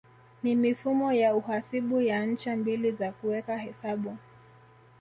Ni mifumo ya uhasibu ya ncha mbili za kuweka hesabu